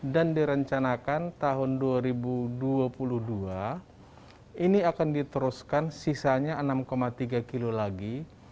dan direncanakan tahun dua ribu dua puluh dua ini akan diteruskan sisanya enam tiga km lagi